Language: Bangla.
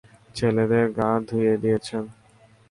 ছেলেদের গা ধুইয়ে দিয়েছেন।